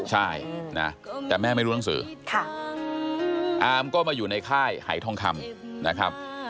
ใช่นะแต่แม่ไม่รู้หนังสืออามก็มาอยู่ในค่ายหายทองคำนะครับ